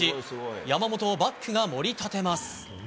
山本をバックが盛り立てます。